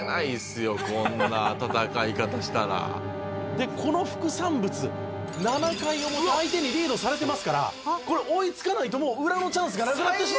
でこの副産物７回表相手にリードされてますからこれ追いつかないともうウラのチャンスがなくなってしまう！